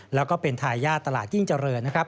แล้วก็เป็นทายาทตลาดยิ่งเจริญนะครับ